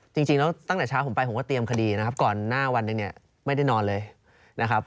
จริงแล้วตั้งแต่เช้าผมไปผมก็เตรียมคดีนะครับก่อนหน้าวันหนึ่งเนี่ยไม่ได้นอนเลยนะครับ